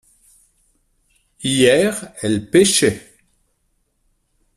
Hier elles pêchaient.